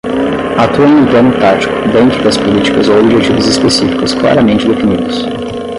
Atua em um plano tático, dentro das políticas ou objetivos específicos claramente definidos.